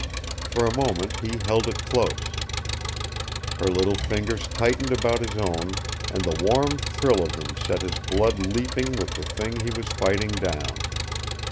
For a moment he held it close. Her little fingers tightened about his own, and the warm thrill of them set his blood leaping with the thing he was fighting down.